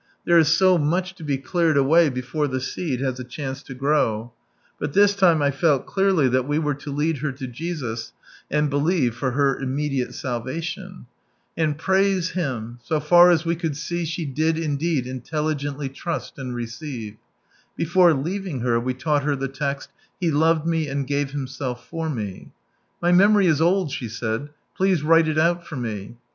There is so much to be cleared away before the seed has a Christmas and New Year in Sunrise Lafid 85 chance lo grow, but ihis time I felt clearly that we were to lead her to Jesus and believe for her immediate salvation. And praise Him, so far as we couid see she did indeed intelligently trust and receive. Before leaving her we taught her the text, " He loved me and gave Himself for me." " My memory is old," she said, " please wrile it out, for me."